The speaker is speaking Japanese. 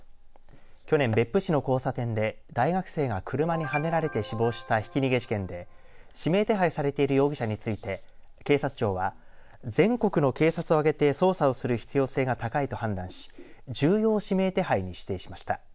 去年、別府市の交差点で大学生が車にはねられて死亡したひき逃げ事件で指名手配されている容疑者について警察庁は全国の警察を挙げて捜査をする必要性が高いと判断し重要指名手配に指定しました。